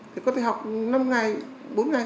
thì có thể học năm ngày bốn ngày